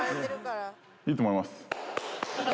いいと思います。